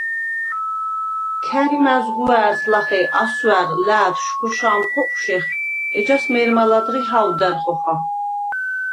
ქა̈რი მა̈ზგუვა̄̈რს ლახე ასვა̈რ ლა̄̈თშვ ხოშა̄მ ხოკვშეხ, ეჯას მე̄რმა ლა̈დღი ჰა̄ვდა̈რ ხოხა.